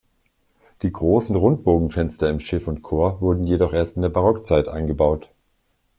Die großen Rundbogenfenster im Schiff und Chor wurden jedoch erst in der Barockzeit eingebaut.